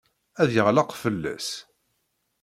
Ad yeɣleq fell-as.